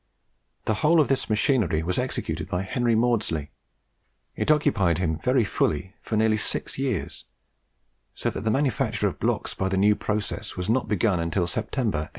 The whole of this machinery was executed by Henry Maudslay; it occupied him very fully for nearly six years, so that the manufacture of blocks by the new process was not begun until September, 1808.